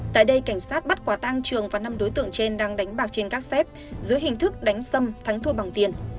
tại đây cảnh sát bắt quả tang trường và năm đối tượng trên đang đánh bạc trên các xếp dưới hình thức đánh xâm thắng thua bằng tiền